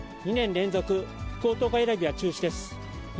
２年連続、福男選びは中止です。